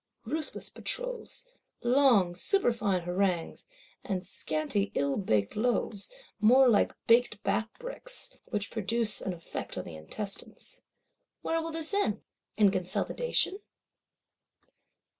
Ruthless Patrols; long superfine harangues; and scanty ill baked loaves, more like baked Bath bricks,—which produce an effect on the intestines! Where will this end? In consolidation?